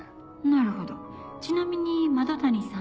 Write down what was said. なるほどちなみにマド谷さん。